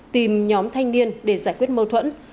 tìm nhóm thanh niên để giải quyết mâu thuẫn